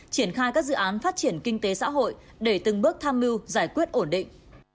triển khai các dự án phát triển kinh tế xã hội để từng bước tham mưu giải quyết ổn định